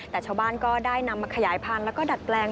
แต่ชาวบ้านก็ได้นำมาขยายพันธุ์แล้วก็ดัดแปลง